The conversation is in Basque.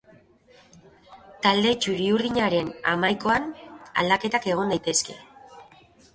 Talde txuri-urdinaren hamaikoan aldeketak egon daitezke.